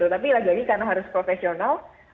tapi lagi lagi karena harus profesional